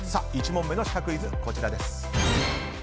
１問目のシカクイズ、こちらです。